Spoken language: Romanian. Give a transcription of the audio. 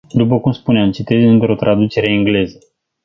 După cum spuneam, citez dintr-o traducere engleză.